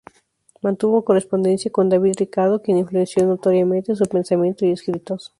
Mantuvo correspondencia con David Ricardo, quien influenció notoriamente su pensamiento y escritos.